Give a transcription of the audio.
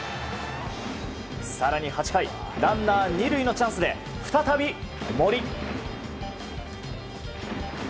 更に、８回ランナー２塁のチャンスで再び、森。